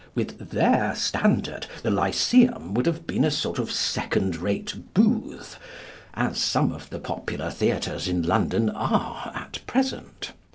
With their standard the Lyceum would have been a sort of second rate booth, as some of the popular theatres in London are at present.